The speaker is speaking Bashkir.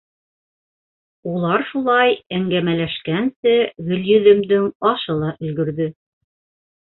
Улар шулай әңгәмәләшкәнсе, Гөлйөҙөмдөң ашы ла өлгөрҙө.